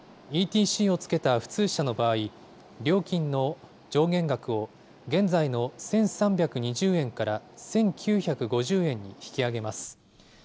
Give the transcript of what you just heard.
ＥＴＣをつけた普通車の場合、料金の上限額を、現在の１３２０円から１９５０円に引き上げます。